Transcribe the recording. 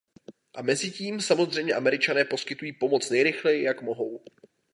Mezitím samozřejmě Američané poskytují pomoc nejrychleji, jak mohou.